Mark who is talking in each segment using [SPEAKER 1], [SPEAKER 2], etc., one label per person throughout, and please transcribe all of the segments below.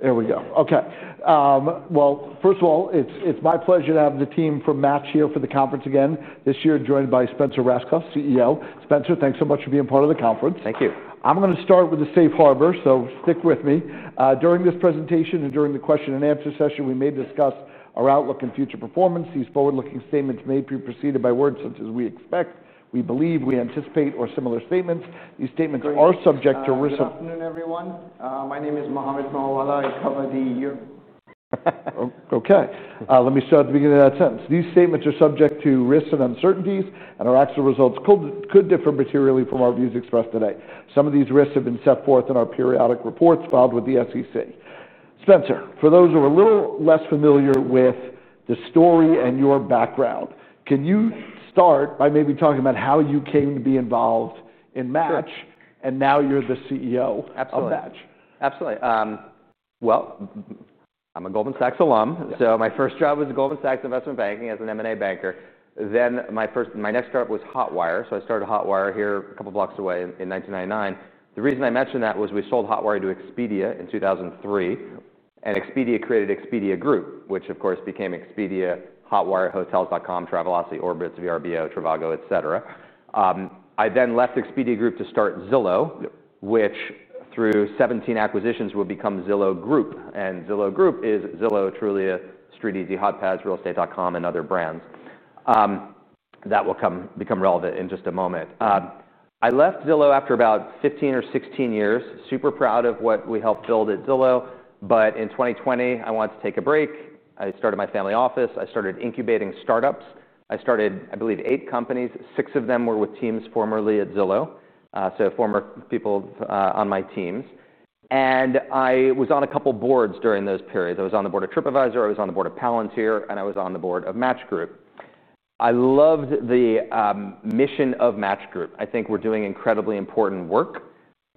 [SPEAKER 1] There we go. Okay. First of all, it's my pleasure to have the team from Match Group here for the conference again this year, joined by Spencer Rascoff, CEO. Spencer, thanks so much for being part of the conference.
[SPEAKER 2] Thank you.
[SPEAKER 1] I'm going to start with a safe harbor, so stick with me. During this presentation and during the question and answer session, we may discuss our outlook and future performance. These forward-looking statements may be preceded by words such as "we expect," "we believe," "we anticipate," or similar statements. These statements are subject to risk.
[SPEAKER 3] Good afternoon, everyone. My name is Mohammed Moawalla. I cover the year.
[SPEAKER 1] Okay. Let me start at the beginning of that sentence. These statements are subject to risks and uncertainties, and our actual results could differ materially from our views expressed today. Some of these risks have been set forth in our periodic reports filed with the SEC. Spencer, for those who are a little less familiar with the story and your background, can you start by maybe talking about how you came to be involved in Match and now you're the CEO of Match?
[SPEAKER 2] Absolutely. Absolutely. I'm a Goldman Sachs alum, so my first job was Goldman Sachs Investment Banking as an M&A banker. My next startup was Hotwire. I started Hotwire here a couple of blocks away in 1999. The reason I mention that is we sold Hotwire to Expedia in 2003, and Expedia created Expedia Group, which of course became Expedia, Hotwire, Hotels.com, Travelocity, Orbitz, VRBO, Trivago, et cetera. I then left Expedia Group to start Zillow, which through 17 acquisitions became Zillow Group. Zillow Group is Zillow, Trulia, StreetEasy, HotPads, RealEstate.com, and other brands. That will become relevant in just a moment. I left Zillow after about 15 or 16 years, super proud of what we helped build at Zillow. In 2020, I wanted to take a break. I started my family office. I started incubating startups. I started, I believe, eight companies. Six of them were with teams formerly at Zillow, so former people on my teams. I was on a couple of boards during those periods. I was on the board of TripAdvisor. I was on the board of Palantir, and I was on the board of Match Group. I loved the mission of Match Group. I think we're doing incredibly important work.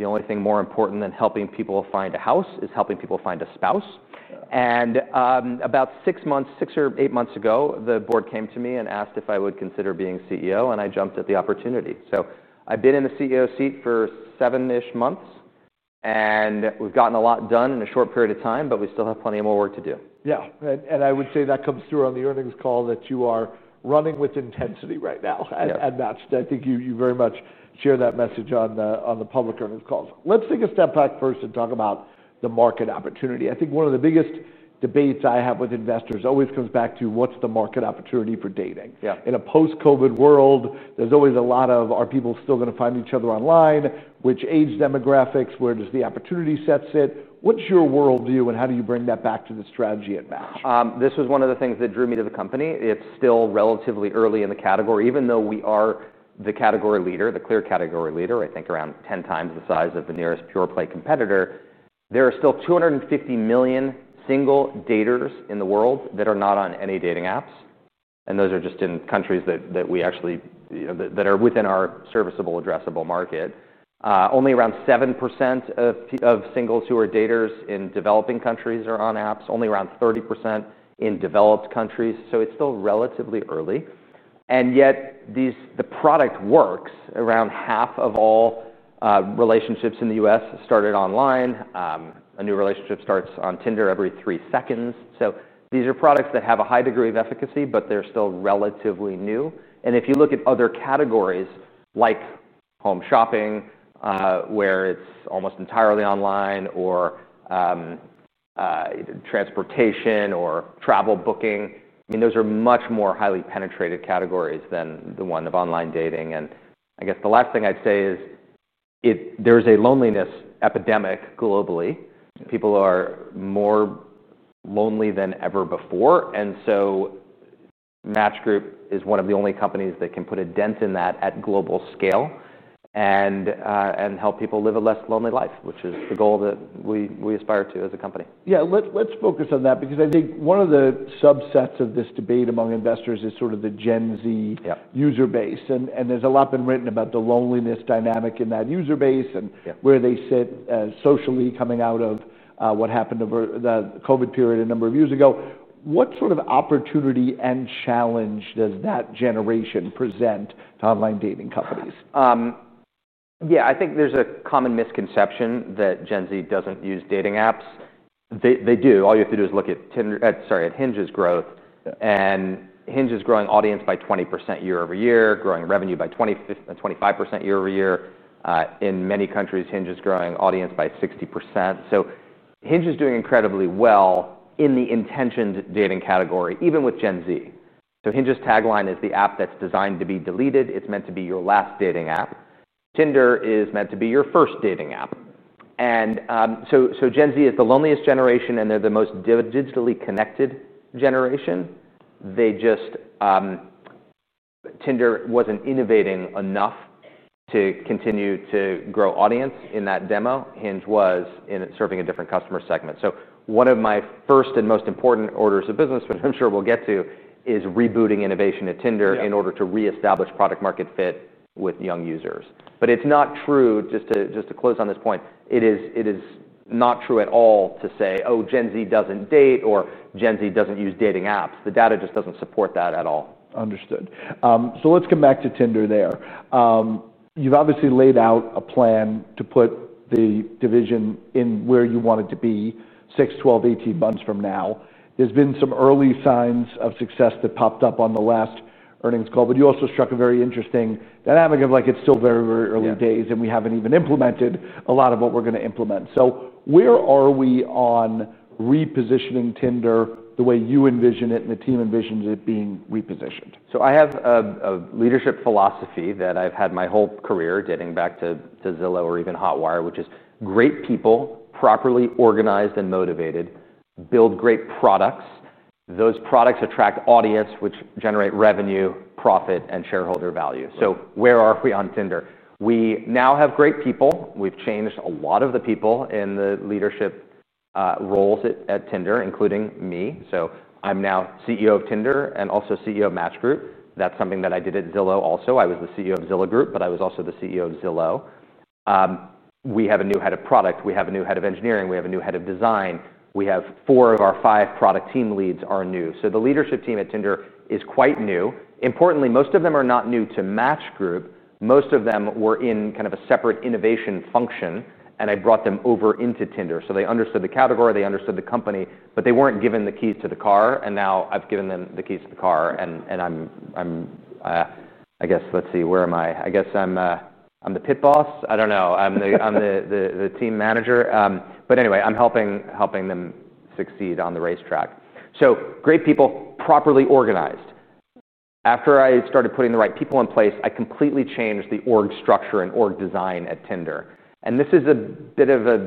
[SPEAKER 2] The only thing more important than helping people find a house is helping people find a spouse. About six or eight months ago, the board came to me and asked if I would consider being CEO, and I jumped at the opportunity. I've been in the CEO seat for seven-ish months, and we've gotten a lot done in a short period of time, but we still have plenty more work to do.
[SPEAKER 1] Yeah. I would say that comes through on the earnings call that you are running with intensity right now at Match. I think you very much share that message on the public earnings calls. Let's take a step back first and talk about the market opportunity. I think one of the biggest debates I have with investors always comes back to what's the market opportunity for dating.
[SPEAKER 2] Yeah.
[SPEAKER 1] In a post-COVID world, there's always a lot of, are people still going to find each other online? Which age demographics, where does the opportunity set sit? What's your world view and how do you bring that back to the strategy at Match?
[SPEAKER 2] This was one of the things that drew me to the company. It's still relatively early in the category, even though we are the category leader, the clear category leader. I think around 10x the size of the nearest pure-play competitor. There are still 250 million single daters in the world that are not on any dating apps, and those are just in countries that we actually, you know, that are within our serviceable, addressable market. Only around 7% of singles who are daters in developing countries are on apps, only around 30% in developed countries. It's still relatively early, yet the product works. Around half of all relationships in the U.S. started online. A new relationship starts on Tinder every three seconds. These are products that have a high degree of efficacy, but they're still relatively new. If you look at other categories, like home shopping, where it's almost entirely online, or transportation or travel booking, those are much more highly penetrated categories than the one of online dating. The last thing I'd say is there's a loneliness epidemic globally. People are more lonely than ever before. Match Group is one of the only companies that can put a dent in that at global scale and help people live a less lonely life, which is the goal that we aspire to as a company.
[SPEAKER 1] Yeah, let's focus on that because I think one of the subsets of this debate among investors is sort of the Gen Z user base. There's a lot been written about the loneliness dynamic in that user base and where they sit socially coming out of what happened over the COVID period a number of years ago. What sort of opportunity and challenge does that generation present to online dating companies?
[SPEAKER 2] Yeah, I think there's a common misconception that Gen Z doesn't use dating apps. They do. All you have to do is look at Tinder, sorry, at Hinge's growth. Hinge is growing audience by 20% year over year, growing revenue by 25% year over year. In many countries, Hinge is growing audience by 60%. Hinge is doing incredibly well in the intentioned dating category, even with Gen Z. Hinge's tagline is the app that's designed to be deleted. It's meant to be your last dating app. Tinder is meant to be your first dating app. Gen Z is the loneliest generation and they're the most digitally connected generation. Tinder wasn't innovating enough to continue to grow audience in that demo. Hinge was serving a different customer segment. One of my first and most important orders of business, which I'm sure we'll get to, is rebooting innovation at Tinder in order to reestablish product-market fit with young users. Just to close on this point, it is not true at all to say, oh, Gen Z doesn't date or Gen Z doesn't use dating apps. The data just doesn't support that at all.
[SPEAKER 1] Understood. Let's come back to Tinder. You've obviously laid out a plan to put the division in where you want it to be six, 12, 18 months from now. There's been some early signs of success that popped up on the last earnings call, but you also struck a very interesting dynamic of like it's still very, very early days and we haven't even implemented a lot of what we're going to implement. Where are we on repositioning Tinder the way you envision it and the team envisions it being repositioned?
[SPEAKER 2] I have a leadership philosophy that I've had my whole career dating back to Zillow or even Hotwire, which is great people, properly organized and motivated, build great products. Those products attract audience, which generate revenue, profit, and shareholder value. Where are we on Tinder? We now have great people. We've changed a lot of the people in the leadership roles at Tinder, including me. I'm now CEO of Tinder and also CEO of Match Group. That's something that I did at Zillow also. I was the CEO of Zillow Group, but I was also the CEO of Zillow. We have a new Head of Product. We have a new Head of Engineering. We have a new Head of Design. Four of our five product team leads are new. The leadership team at Tinder is quite new. Importantly, most of them are not new to Match Group. Most of them were in kind of a separate innovation function, and I brought them over into Tinder. They understood the category, they understood the company, but they weren't given the keys to the car. Now I've given them the keys to the car, and I guess, let's see, where am I? I guess I'm the pit boss. I don't know. I'm the team manager. Anyway, I'm helping them succeed on the racetrack. Great people, properly organized. After I started putting the right people in place, I completely changed the org structure and org design at Tinder. This is a bit of a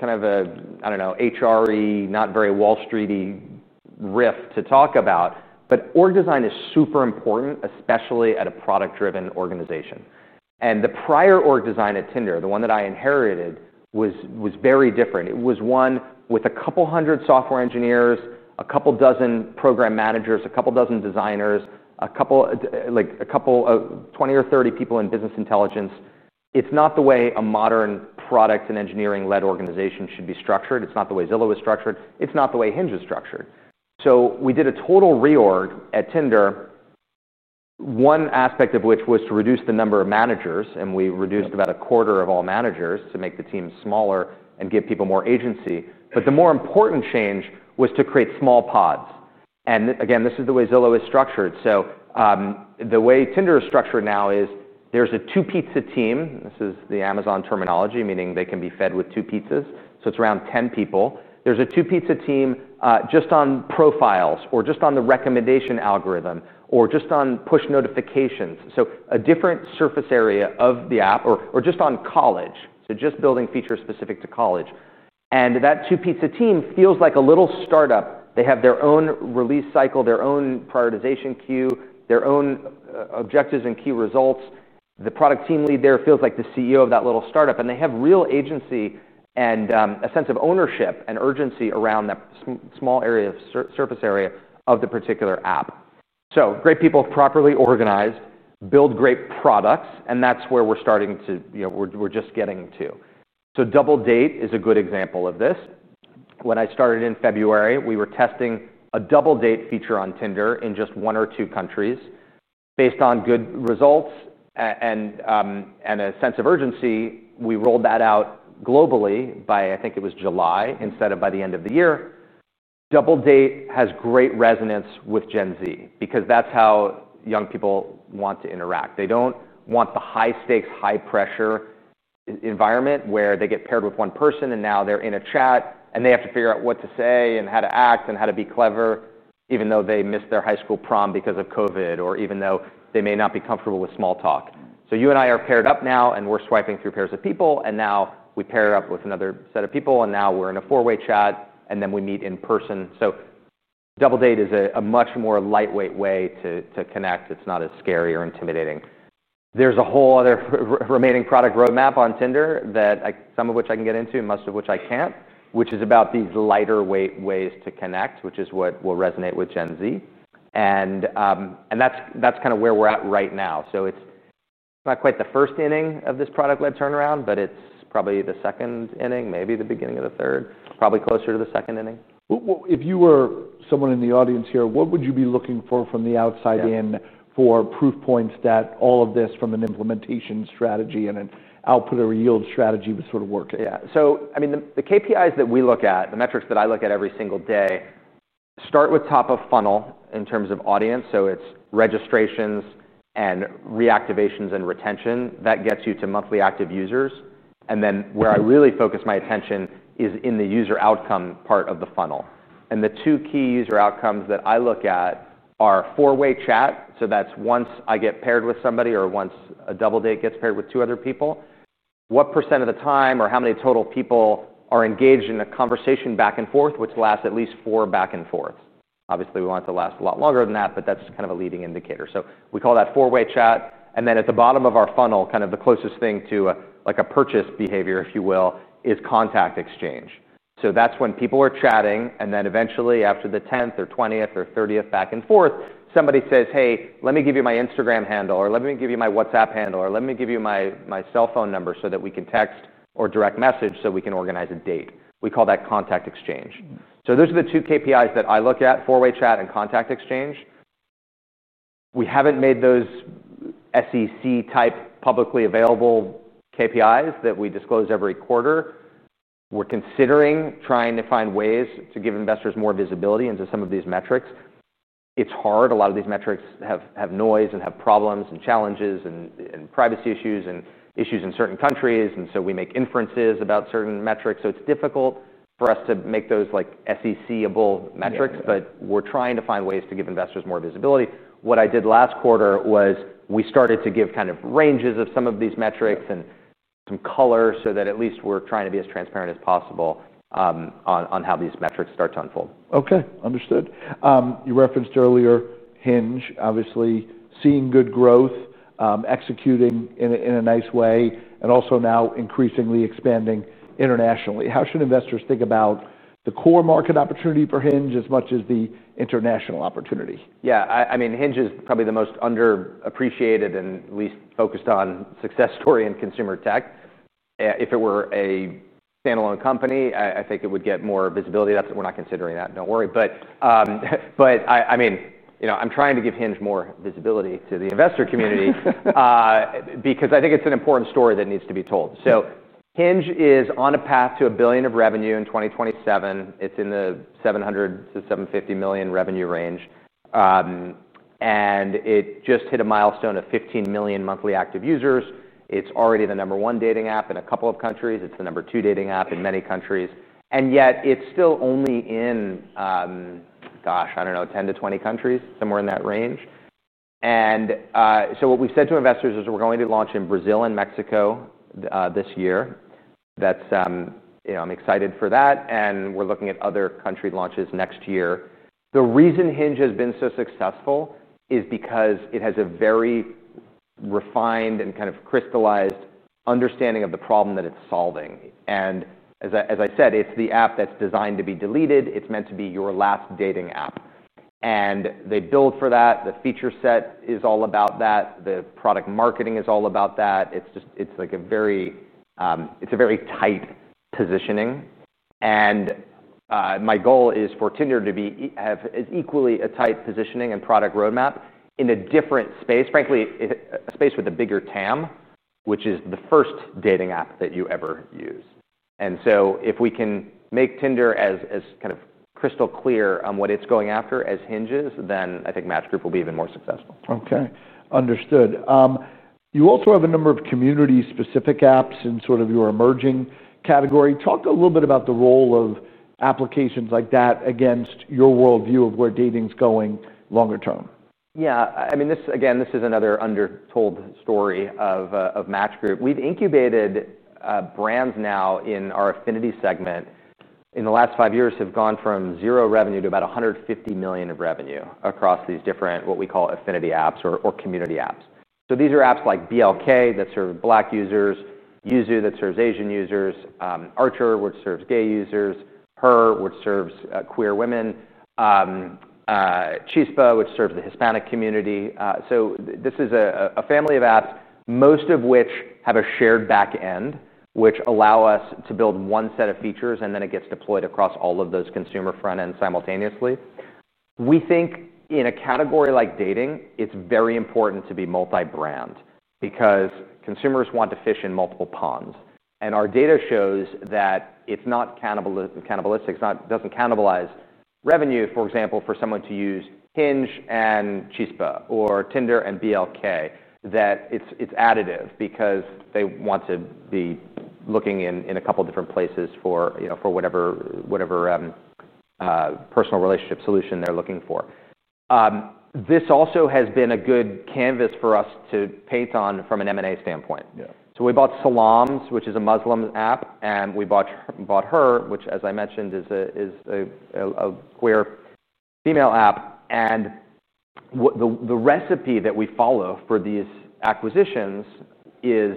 [SPEAKER 2] kind of a, I don't know, HRE, not very Wall Street-y riff to talk about. Org design is super important, especially at a product-driven organization. The prior org design at Tinder, the one that I inherited, was very different. It was one with a couple hundred software engineers, a couple dozen program managers, a couple dozen designers, like 20 or 30 people in business intelligence. It's not the way a modern product and engineering-led organization should be structured. It's not the way Zillow is structured. It's not the way Hinge is structured. We did a total reorg at Tinder, one aspect of which was to reduce the number of managers, and we reduced about a quarter of all managers to make the team smaller and give people more agency. The more important change was to create small pods. Again, this is the way Zillow is structured. The way Tinder is structured now is there's a two-pizza team. This is the Amazon terminology, meaning they can be fed with two pizzas. It's around 10 people. There's a two-pizza team just on profiles or just on the recommendation algorithm or just on push notifications, so a different surface area of the app, or just on college, so just building features specific to college. That two-pizza team feels like a little startup. They have their own release cycle, their own prioritization queue, their own objectives and key results. The product team lead there feels like the CEO of that little startup, and they have real agency and a sense of ownership and urgency around that small area of surface area of the particular app. Great people, properly organized, build great products, and that's where we're starting to, you know, we're just getting to. Double Date is a good example of this. When I started in February, we were testing a Double Date feature on Tinder in just one or two countries. Based on good results and a sense of urgency, we rolled that out globally by, I think it was July instead of by the end of the year. Double Date has great resonance with Gen Z because that's how young people want to interact. They don't want the high-stakes, high-pressure environment where they get paired with one person and now they're in a chat and they have to figure out what to say and how to act and how to be clever, even though they missed their high school prom because of COVID or even though they may not be comfortable with small talk. You and I are paired up now and we're swiping through pairs of people, and now we pair up with another set of people and now we're in a four-way chat and then we meet in person. Double Date is a much more lightweight way to connect. It's not as scary or intimidating. There's a whole other remaining product roadmap on Tinder, some of which I can get into, most of which I can't, which is about these lighter weight ways to connect, which is what will resonate with Gen Z. That's kind of where we're at right now. It's not quite the first inning of this product-led turnaround, but it's probably the second inning, maybe the beginning of the third, probably closer to the second inning.
[SPEAKER 1] If you were someone in the audience here, what would you be looking for from the outside in for proof points that all of this from an implementation strategy and an output or a yield strategy was sort of working?
[SPEAKER 2] Yeah. The KPIs that we look at, the metrics that I look at every single day, start with top of funnel in terms of audience. It's registrations and reactivations and retention that gets you to monthly active users. Where I really focus my attention is in the user outcome part of the funnel. The two key user outcomes that I look at are four-way chat. That's once I get paired with somebody or once a Double Date gets paired with two other people. What percent of the time or how many total people are engaged in a conversation back and forth, which lasts at least four back and forths? Obviously, we want it to last a lot longer than that, but that's kind of a leading indicator. We call that four-way chat. At the bottom of our funnel, kind of the closest thing to like a purchase behavior, if you will, is contact exchange. That's when people are chatting, and then eventually after the 10th or 20th or 30th back and forth, somebody says, "Hey, let me give you my Instagram handle," or, "Let me give you my WhatsApp handle," or, "Let me give you my cell phone number so that we can text or direct message so we can organize a date." We call that contact exchange. Those are the two KPIs that I look at: four-way chat and contact exchange. We haven't made those SEC-type publicly available KPIs that we disclose every quarter. We're considering trying to find ways to give investors more visibility into some of these metrics. It's hard. A lot of these metrics have noise and have problems and challenges and privacy issues and issues in certain countries. We make inferences about certain metrics. It's difficult for us to make those like SEC-able metrics, but we're trying to find ways to give investors more visibility. What I did last quarter was we started to give kind of ranges of some of these metrics and some color so that at least we're trying to be as transparent as possible on how these metrics start to unfold.
[SPEAKER 1] Okay. Understood. You referenced earlier Hinge, obviously seeing good growth, executing in a nice way, and also now increasingly expanding internationally. How should investors think about the core market opportunity for Hinge as much as the international opportunity?
[SPEAKER 2] Yeah, I mean, Hinge is probably the most underappreciated and least focused on success story in consumer tech. If it were a standalone company, I think it would get more visibility. We're not considering that. Don't worry. I mean, you know, I'm trying to give Hinge more visibility to the investor community, because I think it's an important story that needs to be told. Hinge is on a path to $1 billion of revenue in 2027. It's in the $700 million-$750 million revenue range, and it just hit a milestone of 15 million monthly active users. It's already the number one dating app in a couple of countries. It's the number two dating app in many countries, yet it's still only in, gosh, I don't know, 10-20 countries, somewhere in that range. What we've said to investors is we're going to launch in Brazil and Mexico this year. I'm excited for that, and we're looking at other country launches next year. The reason Hinge has been so successful is because it has a very refined and kind of crystallized understanding of the problem that it's solving. As I said, it's the app that's designed to be deleted. It's meant to be your last dating app, and they build for that. The feature set is all about that. The product marketing is all about that. It's just, it's like a very, it's a very tight positioning. My goal is for Tinder to be as equally a tight positioning and product roadmap in a different space, frankly, a space with a bigger TAM, which is the first dating app that you ever use. If we can make Tinder as kind of crystal clear on what it's going after as Hinge is, then I think Match Group will be even more successful.
[SPEAKER 1] Okay. Understood. You also have a number of community-specific apps in your emerging category. Talk a little bit about the role of applications like that against your worldview of where dating's going longer term.
[SPEAKER 2] Yeah, I mean, this again, this is another undertold story of Match Group. We've incubated brands now in our affinity segment. In the last five years, have gone from zero revenue to about $150 million of revenue across these different, what we call affinity apps or community apps. These are apps like BLK that serve Black users, YUZU that serves Asian users, Archer, which serves gay users, HER, which serves queer women, Chispa, which serves the Hispanic community. This is a family of apps, most of which have a shared backend, which allow us to build one set of features, and then it gets deployed across all of those consumer frontends simultaneously. We think in a category like dating, it's very important to be multi-brand because consumers want to fish in multiple ponds. Our data shows that it's not cannibalistic, it doesn't cannibalize revenue, for example, for someone to use Hinge and Chispa or Tinder and BLK, that it's additive because they want to be looking in a couple of different places for, you know, for whatever, whatever, personal relationship solution they're looking for. This also has been a good canvas for us to paint on from an M&A standpoint.
[SPEAKER 1] Yeah.
[SPEAKER 2] We bought Salams, which is a Muslim app, and we bought HER which, as I mentioned, is a queer female app. The recipe that we follow for these acquisitions is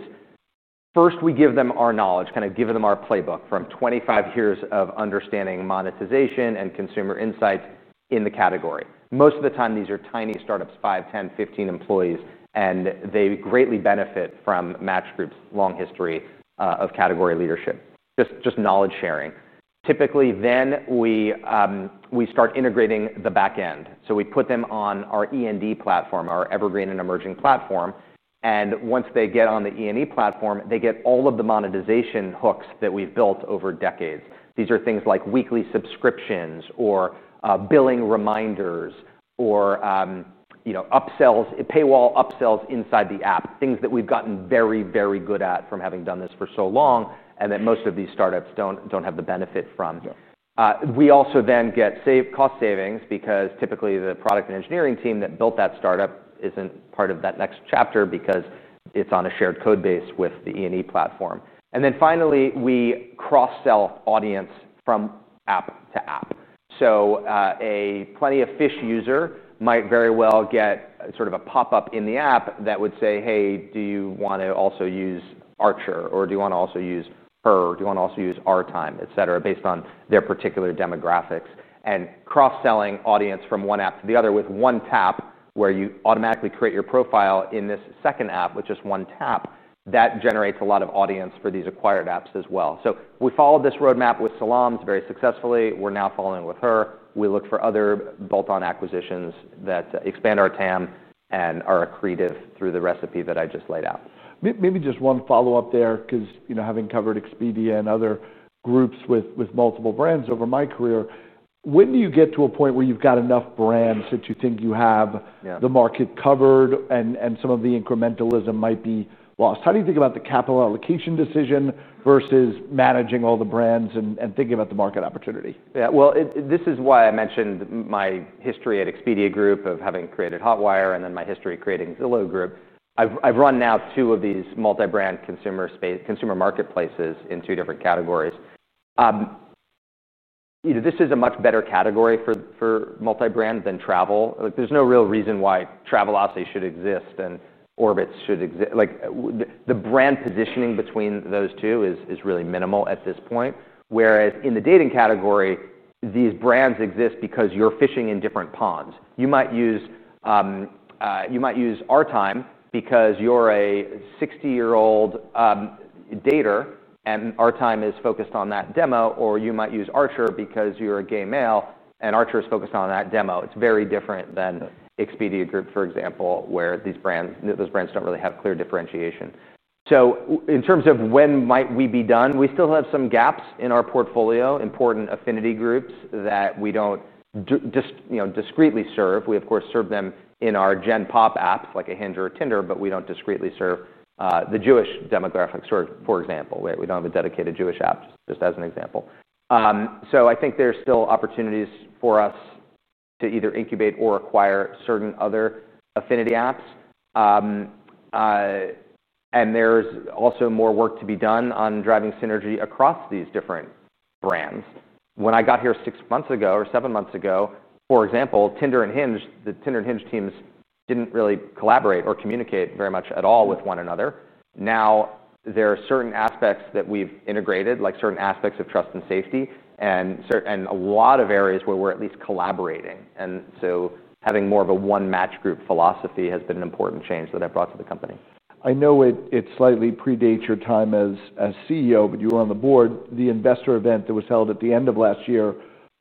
[SPEAKER 2] first we give them our knowledge, kind of give them our playbook from 25 years of understanding monetization and consumer insights in the category. Most of the time, these are tiny startups, five, 10, 15 employees, and they greatly benefit from Match Group's long history of category leadership. Just knowledge sharing. Typically, we start integrating the backend. We put them on our E&E platform, our evergreen and emerging platform. Once they get on the E&E platform, they get all of the monetization hooks that we've built over decades. These are things like weekly subscriptions or billing reminders or, you know, upsells, paywall upsells inside the app, things that we've gotten very, very good at from having done this for so long and that most of these startups don't have the benefit from. We also get cost savings because typically the product and engineering team that built that startup isn't part of that next chapter because it's on a shared code base with the E&E platform. Finally, we cross-sell audience from app to app. A Plenty of Fish user might very well get sort of a pop-up in the app that would say, "Hey, do you want to also use Archer?" or, "Do you want to also use HER?" or, "Do you want to also use OurTime?" et cetera, based on their particular demographics. Cross-selling audience from one app to the other with one tap, where you automatically create your profile in this second app with just one tap, generates a lot of audience for these acquired apps as well. We followed this roadmap with Salams very successfully. We're now following with HER. We look for other bolt-on acquisitions that expand our TAM and are accretive through the recipe that I just laid out.
[SPEAKER 1] Maybe just one follow-up there, because, you know, having covered Expedia Group and other groups with multiple brands over my career, when do you get to a point where you've got enough brands that you think you have the market covered and some of the incrementalism might be lost? How do you think about the capital allocation decision versus managing all the brands and thinking about the market opportunity?
[SPEAKER 2] Yeah, this is why I mentioned my history at Expedia Group of having created Hotwire and then my history creating Zillow Group. I've run now two of these multi-brand consumer marketplaces in two different categories. You know, this is a much better category for multi-brand than travel. There's no real reason why Travelocity should exist and Orbitz should exist. The brand positioning between those two is really minimal at this point. Whereas in the dating category, these brands exist because you're fishing in different ponds. You might use OurTime because you're a 60-year-old dater and OurTime is focused on that demo, or you might use Archer because you're a gay male and Archer is focused on that demo. It's very different than Expedia Group, for example, where those brands don't really have clear differentiation. In terms of when might we be done, we still have some gaps in our portfolio, important affinity groups that we don't just discreetly serve. We, of course, serve them in our gen pop apps like a Hinge or a Tinder, but we don't discreetly serve the Jewish demographics, for example. We don't have a dedicated Jewish app, just as an example. I think there's still opportunities for us to either incubate or acquire certain other affinity apps. There's also more work to be done on driving synergy across these different brands. When I got here six months ago or seven months ago, for example, the Tinder and Hinge teams didn't really collaborate or communicate very much at all with one another. Now there are certain aspects that we've integrated, like certain aspects of trust and safety and a lot of areas where we're at least collaborating. Having more of a one Match Group philosophy has been an important change that I've brought to the company.
[SPEAKER 1] I know it slightly predates your time as CEO, but you were on the board. The investor event that was held at the end of last year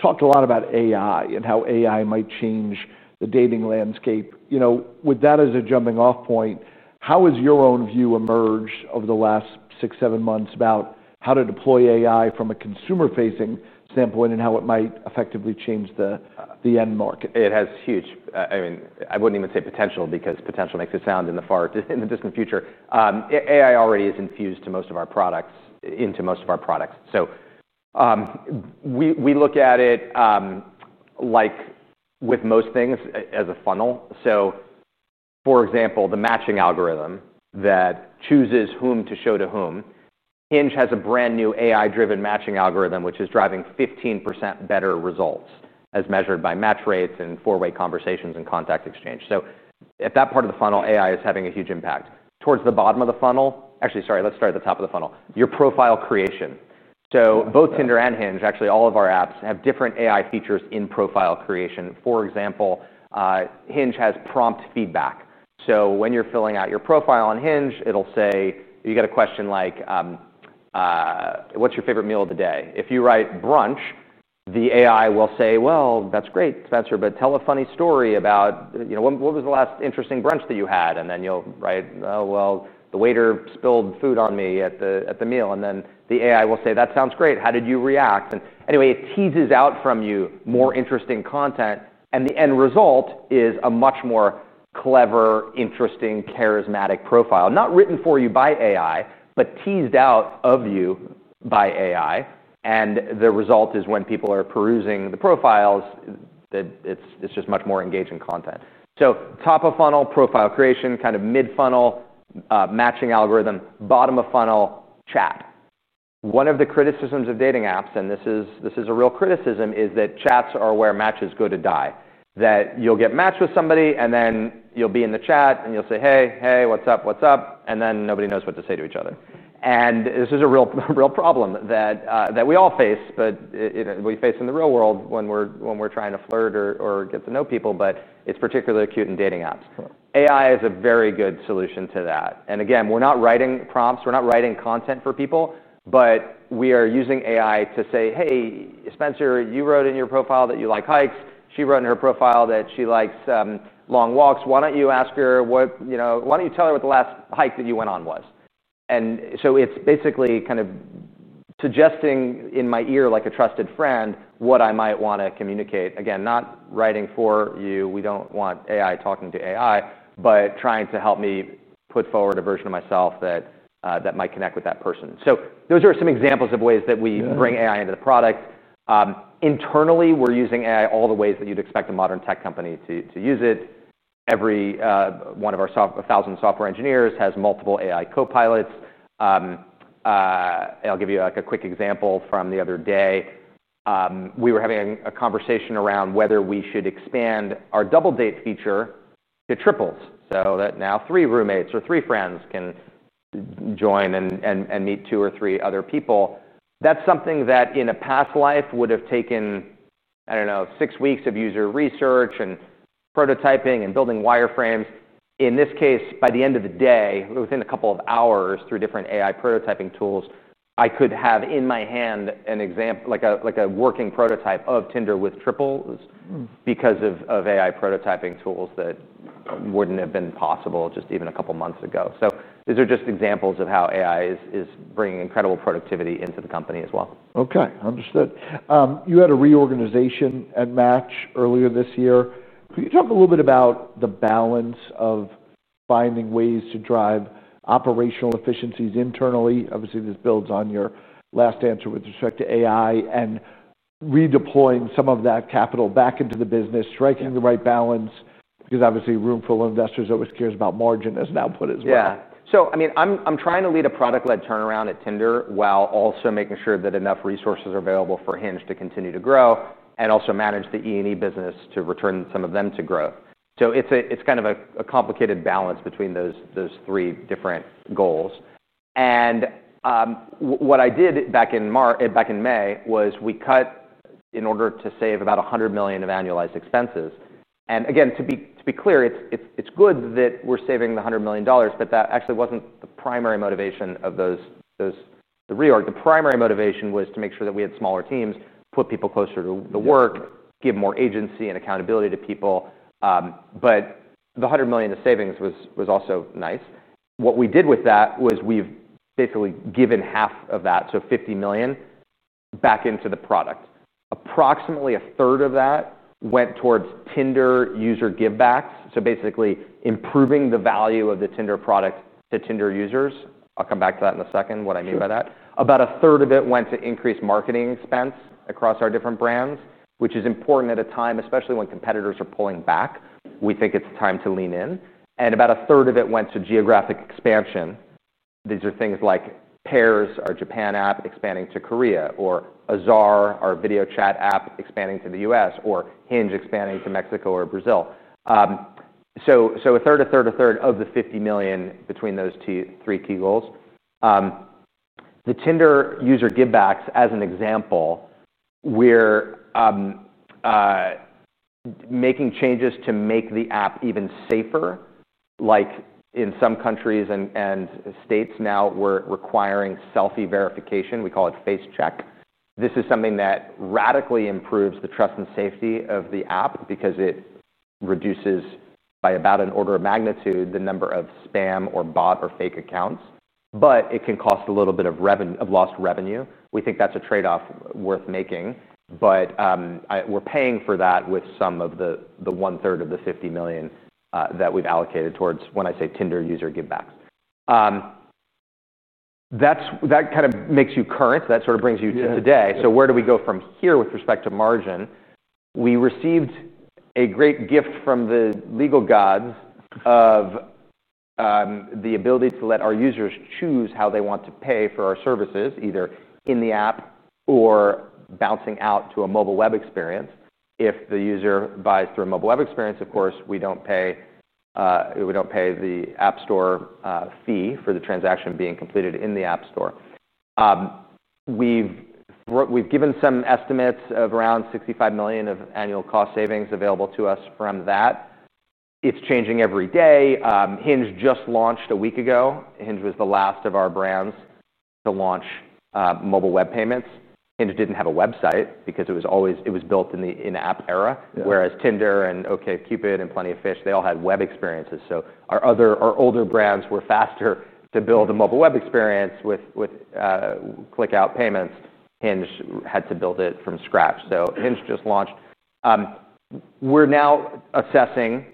[SPEAKER 1] talked a lot about AI and how AI might change the dating landscape. With that as a jumping-off point, how has your own view emerged over the last six, seven months about how to deploy AI from a consumer-facing standpoint and how it might effectively change the end market?
[SPEAKER 2] It has huge, I mean, I wouldn't even say potential because potential makes it sound in the far distant future. AI already is infused into most of our products. We look at it, like with most things, as a funnel. For example, the matching algorithm that chooses whom to show to whom. Hinge has a brand new AI-driven matching algorithm, which is driving 15% better results as measured by match rates and four-way conversations and contact exchange. At that part of the funnel, AI is having a huge impact. At the top of the funnel, your profile creation. Both Tinder and Hinge, actually, all of our apps have different AI features in profile creation. For example, Hinge has prompt feedback. When you're filling out your profile on Hinge, it'll say, you get a question like, what's your favorite meal of the day? If you write brunch, the AI will say, that's great, Spencer, but tell a funny story about, you know, what was the last interesting brunch that you had? Then you'll write, oh, the waiter spilled food on me at the meal. The AI will say, that sounds great. How did you react? It teases out from you more interesting content. The end result is a much more clever, interesting, charismatic profile, not written for you by AI, but teased out of you by AI. The result is when people are perusing the profiles, it's just much more engaging content. Top of funnel, profile creation. Kind of mid-funnel, matching algorithm. Bottom of funnel, chat. One of the criticisms of dating apps, and this is a real criticism, is that chats are where matches go to die. You'll get matched with somebody and then you'll be in the chat and you'll say, hey, hey, what's up, what's up? Nobody knows what to say to each other. This is a real problem that we all face, but we face in the real world when we're trying to flirt or get to know people, but it's particularly acute in dating apps. AI is a very good solution to that. We're not writing prompts, we're not writing content for people, but we are using AI to say, hey, Spencer, you wrote in your profile that you like hikes. She wrote in her profile that she likes long walks. Why don't you ask her what, you know, why don't you tell her what the last hike that you went on was? It's basically kind of suggesting in my ear, like a trusted friend, what I might want to communicate. Again, not writing for you. We don't want AI talking to AI, but trying to help me put forward a version of myself that might connect with that person. Those are some examples of ways that we bring AI into the product. Internally, we're using AI all the ways that you'd expect a modern tech company to use it. Every one of our thousand software engineers has multiple AI copilots. I'll give you a quick example from the other day. We were having a conversation around whether we should expand our Double Date feature to triples, so that now three roommates or three friends can join and meet two or three other people. That's something that in a past life would have taken, I don't know, six weeks of user research and prototyping and building wireframes. In this case, by the end of the day, within a couple of hours through different AI prototyping tools, I could have in my hand an example, like a working prototype of Tinder with triples because of AI prototyping tools that wouldn't have been possible just even a couple of months ago. These are just examples of how AI is bringing incredible productivity into the company as well.
[SPEAKER 1] Okay. Understood. You had a reorganization at Match Group earlier this year. Could you talk a little bit about the balance of finding ways to drive operational efficiencies internally? Obviously, this builds on your last answer with respect to AI and redeploying some of that capital back into the business, striking the right balance, because obviously a room full of investors always cares about margin as an output as well.
[SPEAKER 2] Yeah. I mean, I'm trying to lead a product-led turnaround at Tinder while also making sure that enough resources are available for Hinge to continue to grow and also manage the E&E business to return some of them to grow. It's kind of a complicated balance between those three different goals. What I did back in May was we cut in order to save about $100 million of annualized expenses. Again, to be clear, it's good that we're saving the $100 million, but that actually wasn't the primary motivation of the reorg. The primary motivation was to make sure that we had smaller teams, put people closer to the work, give more agency and accountability to people. The $100 million in savings was also nice. What we did with that was we've basically given half of that, so $50 million, back into the product. Approximately a third of that went towards Tinder user givebacks, basically improving the value of the Tinder product to Tinder users. I'll come back to that in a second, what I mean by that. About a third of it went to increased marketing expense across our different brands, which is important at a time, especially when competitors are pulling back. We think it's time to lean in. About a third of it went to geographic expansion. These are things like Pairs, our Japan app, expanding to Korea, or Azar, our video chat app, expanding to the U.S., or Hinge expanding to Mexico or Brazil. A third, a third, a third of the $50 million between those three key goals. The Tinder user givebacks, as an example, we're making changes to make the app even safer. In some countries and states now, we're requiring selfie verification. We call it face check. This is something that radically improves the trust and safety of the app because it reduces by about an order of magnitude the number of spam or bot or fake accounts. It can cost a little bit of lost revenue. We think that's a trade-off worth making. We're paying for that with some of the one-third of the $50 million that we've allocated towards Tinder user givebacks. That kind of makes you current. That brings you to today. Where do we go from here with respect to margin? We received a great gift from the legal gods of the ability to let our users choose how they want to pay for our services, either in the app or bouncing out to a mobile web experience. If the user buys through a mobile web experience, of course, we don't pay the app store fee for the transaction being completed in the app store. We've given some estimates of around $65 million of annual cost savings available to us from that. It's changing every day. Hinge just launched a week ago. Hinge was the last of our brands to launch mobile web payments. Hinge didn't have a website because it was always, it was built in the app era, whereas Tinder and OkCupid and Plenty of Fish, they all had web experiences. Our older brands were faster to build a mobile web experience with click-out payments. Hinge had to build it from scratch. Hinge just launched. We're now assessing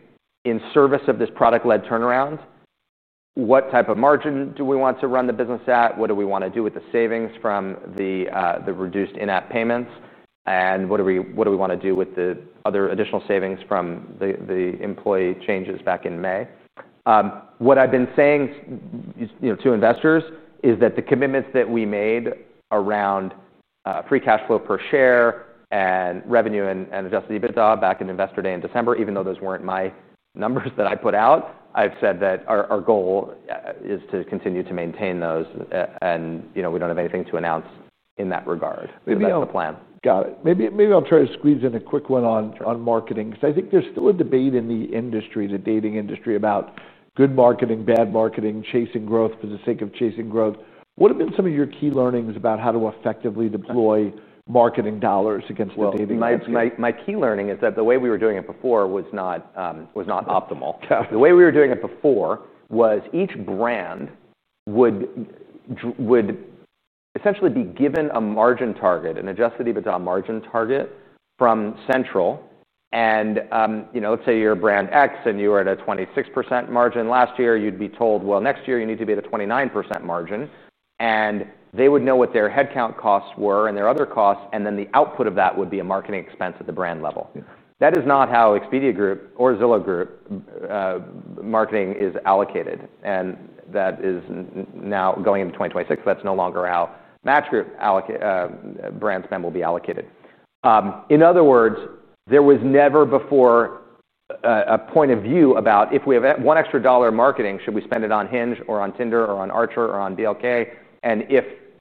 [SPEAKER 2] in service of this product-led turnaround, what type of margin do we want to run the business at? What do we want to do with the savings from the reduced in-app payments? What do we want to do with the other additional savings from the employee changes back in May? What I've been saying to investors is that the commitments that we made around free cash flow per share and revenue and adjusted EBITDA back in Investor Day in December, even though those weren't my numbers that I put out, I've said that our goal is to continue to maintain those. We don't have anything to announce in that regard. That's the plan.
[SPEAKER 1] Got it. Maybe I'll try to squeeze in a quick one on marketing, because I think there's still a debate in the industry, the dating industry, about good marketing, bad marketing, chasing growth for the sake of chasing growth. What have been some of your key learnings about how to effectively deploy marketing dollars against the dating?
[SPEAKER 2] My key learning is that the way we were doing it before was not optimal. The way we were doing it before was each brand would essentially be given a margin target, an adjusted EBITDA margin target from central. For example, let's say you're a brand X and you were at a 26% margin last year, you'd be told, next year you need to be at a 29% margin. They would know what their headcount costs were and their other costs, and then the output of that would be a marketing expense at the brand level. That is not how Expedia Group or Zillow Group marketing is allocated. That is now going into 2026. That's no longer how Match Group brand spend will be allocated. In other words, there was never before a point of view about if we have one extra dollar in marketing, should we spend it on Hinge or on Tinder or on Archer or on BLK?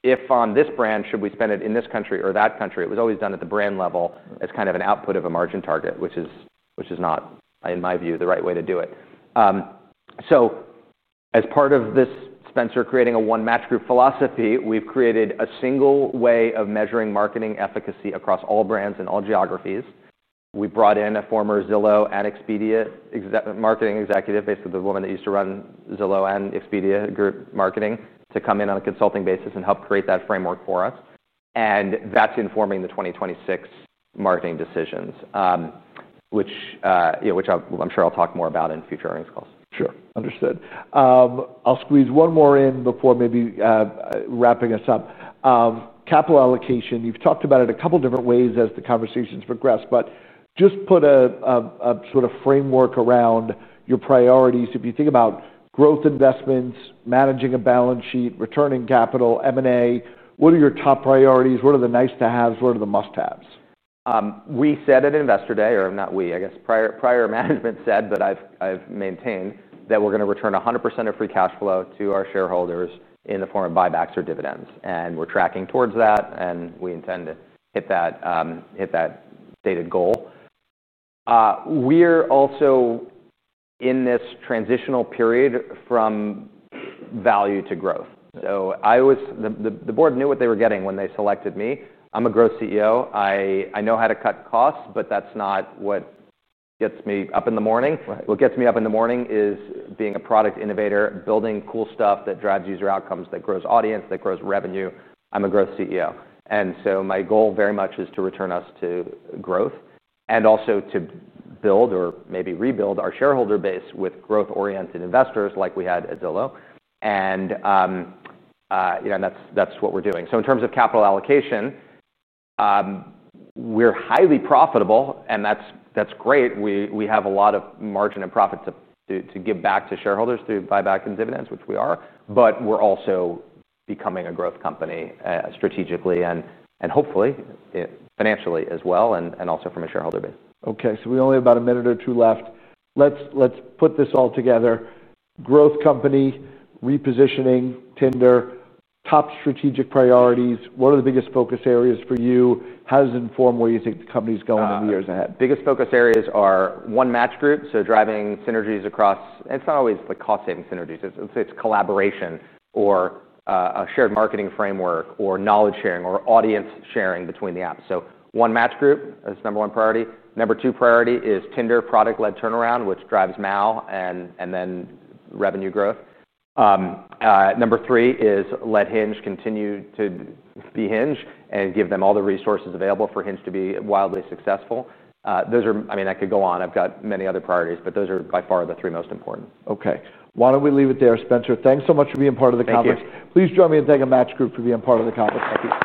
[SPEAKER 2] If on this brand, should we spend it in this country or that country? It was always done at the brand level as kind of an output of a margin target, which is not, in my view, the right way to do it. As part of this, Spencer creating a one Match Group philosophy, we've created a single way of measuring marketing efficacy across all brands and all geographies. We brought in a former Zillow and Expedia Group marketing executive, basically the woman that used to run Zillow and Expedia Group marketing, to come in on a consulting basis and help create that framework for us. That's informing the 2026 marketing decisions, which I'm sure I'll talk more about in future earnings calls.
[SPEAKER 1] Sure. Understood. I'll squeeze one more in before maybe wrapping us up. Capital allocation, you've talked about it a couple of different ways as the conversation's progressed, but just put a sort of framework around your priorities. If you think about growth investments, managing a balance sheet, returning capital, M&A, what are your top priorities? What are the nice-to-haves? What are the must-haves?
[SPEAKER 2] We said at Investor Day, or not we, I guess prior management said, but I've maintained that we're going to return 100% of free cash flow to our shareholders in the form of buybacks or dividends. We're tracking towards that, and we intend to hit that dated goal. We're also in this transitional period from value to growth. The board knew what they were getting when they selected me. I'm a growth CEO. I know how to cut costs, but that's not what gets me up in the morning. What gets me up in the morning is being a product innovator, building cool stuff that drives user outcomes, that grows audience, that grows revenue. I'm a growth CEO. My goal very much is to return us to growth and also to build or maybe rebuild our shareholder base with growth-oriented investors like we had at Zillow Group. That's what we're doing. In terms of capital allocation, we're highly profitable, and that's great. We have a lot of margin and profit to give back to shareholders through buybacks and dividends, which we are, but we're also becoming a growth company strategically and hopefully financially as well, and also from a shareholder base.
[SPEAKER 1] Okay, so we only have about a minute or two left. Let's put this all together. Growth company, repositioning, Tinder, top strategic priorities, one of the biggest focus areas for you. How does it inform where you think the company's going in the years ahead?
[SPEAKER 2] Biggest focus areas are One Match Group, driving synergies across, and it's not always like cost-saving synergies, it's collaboration or a shared marketing framework or knowledge sharing or audience sharing between the apps. One Match Group is number one priority. Number two priority is Tinder product-led turnaround, which drives MAU and then revenue growth. Number three is let Hinge continue to be Hinge and give them all the resources available for Hinge to be wildly successful. I could go on. I've got many other priorities, but those are by far the three most important.
[SPEAKER 1] Okay. Why don't we leave it there, Spencer? Thanks so much for being part of the conference. Please join me and thank Match Group for being part of the conference. Thank you.